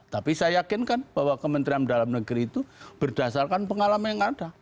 tapi saya yakinkan bahwa kementerian dalam negeri itu berdasarkan pengalaman yang ada